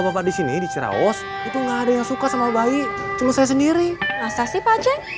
masa sih pak aceh